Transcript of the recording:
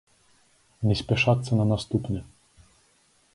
Не спяшацца на наступны.